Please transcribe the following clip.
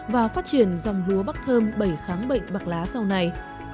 và phát triển dòng lúa bắc thơm bảy kháng bệnh bạc lá sau này